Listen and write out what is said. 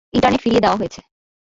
Internet ফিরিয়ে দেয়া হয়েছে।